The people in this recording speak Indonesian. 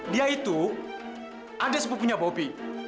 dia itu ada sepupunya bopi